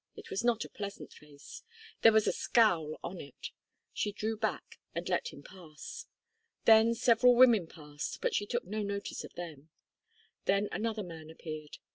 It was not a pleasant face. There was a scowl on it. She drew back and let him pass. Then several women passed, but she took no notice of them. Then another man appeared.